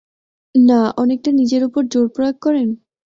না, অনেকটা নিজের উপর জোর প্রয়োগ করেন?